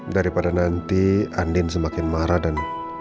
daripada nanti andin semakin marah dan